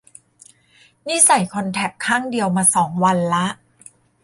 นี่ใส่คอนแทคข้างเดียวมาสองวันละ